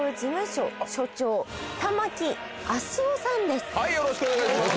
ことはいよろしくお願いします！